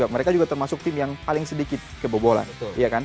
mereka juga termasuk tim yang paling sedikit kebobolan